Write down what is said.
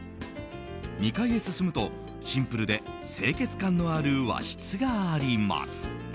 ２階へ進むと、シンプルで清潔感のある和室があります。